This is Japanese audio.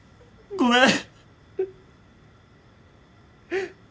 ごめん。